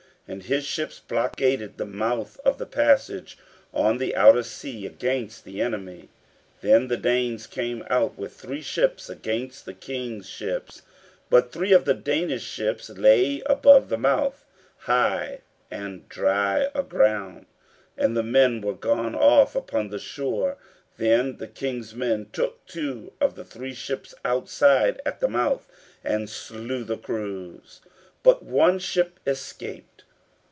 And his ships blockaded the mouth of the passage on the outer sea against the enemy. Then the Danes came out with three ships against the King's ships; but three of the Danish ships lay above the mouth, high and dry aground; and the men were gone off upon the shore. Then the King's men took two of the three ships outside, at the mouth, and slew the crews; but one ship escaped.